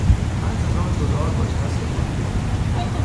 پنج هزار دلار با کسر مالیات